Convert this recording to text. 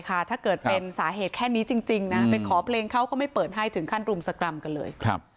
ถ้าเกิดเป็นสาเหตุแค่นี้จริงนะไปขอเพลงเขาก็ไม่เปิดให้ถึงขั้นรุมสกรรมกันเลย